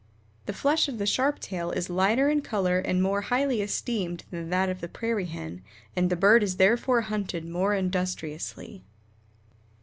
The flesh of the Sharp tail is lighter in color and more highly esteemed than that of the Prairie Hen, and the bird is therefore hunted more industriously.